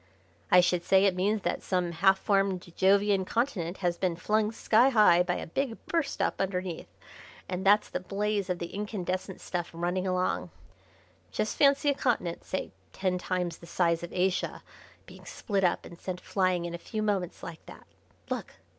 "I should say it means that some half formed Jovian Continent has been flung sky high by a big burst up underneath, and that's the blaze of the incandescent stuff running along. Just fancy a continent, say ten times the size of Asia, being split up and sent flying in a few moments like that. Look!